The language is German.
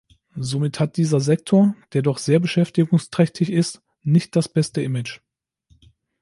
Somit hat dieser Sektor, der doch sehr beschäftigungsträchtig ist, nicht das beste Image.